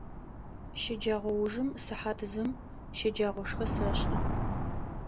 Щэджэгъоужым сыхьат зым щэджагъошхэ сэшӏы.